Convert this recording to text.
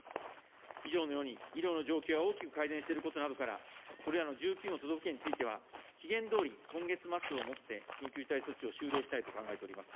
以上のように、医療の状況は大きく改善していることなどから、これらの１９の都道府県については、期限どおり今月末をもって緊急事態措置を終了したいと考えております。